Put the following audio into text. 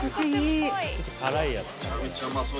めちゃめちゃうまそう。